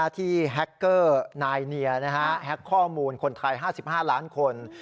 ที่แฮคเกอร์นายเนียแฮ็กข้อมูลคนไทย๕๕ล้านคน